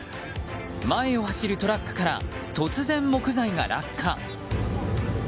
前を走るトラックから突然、木材が落下。